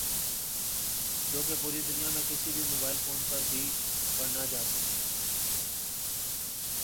جو کہ پوری دنیا میں کِسی بھی موبائل فون پر بھی پڑھنا جاسکیں